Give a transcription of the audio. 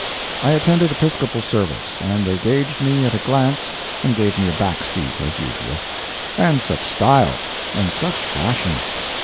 I attended Episcopal service, and they gauged me at a glance and gave me a back seat, as usual. And such style! and such fashion!